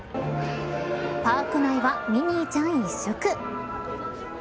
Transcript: パーク内はミニーちゃん一色。